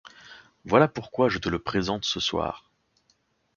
Voilà pourquoi je te le présente ce soir.